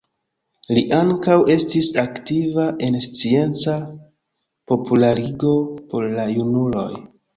Li ankaŭ estis aktiva en scienca popularigo por la junuloj.